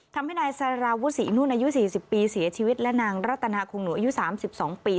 ทำให้นายสาราวูศีนั่นอายุสี่สิบปีเสียชีวิตและนางลัตนาคงหนูอายุสามสิบสองปี